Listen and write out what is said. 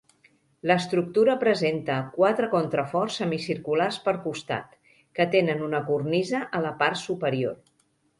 L'estructura presenta quatre contraforts semicirculars per costat, que tenen una cornisa a la part superior.